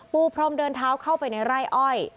พรมเดินเท้าเข้าไปในไร่อ้อย